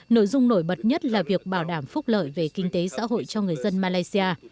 nội dung nổi bật nhất là việc bảo đảm phúc lợi về kinh tế xã hội cho người dân malaysia